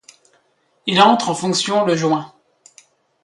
Il entre en fonction le juin.